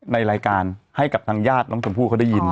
ในรายการให้กับทางญาติน้องชมพู่เขาได้ยิน